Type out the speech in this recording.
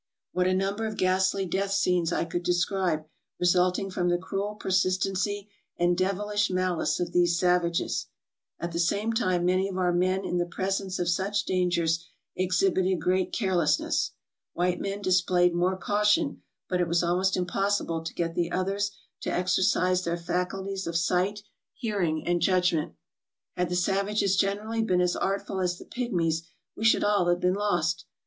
What a number of ghastly death scenes I could describe re sulting from the cruel persistency and devilish malice of these savages. At the same time many of our men in the pres ence of such dangers exhibited great carelessness. White men displayed more caution, but it was almost impossible to get the others to exercise their faculties of sight, hearing, and judgment. Had the savages generally been as artful as the pigmies we should all have been lost.